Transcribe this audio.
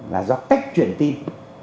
là do cách truyền tin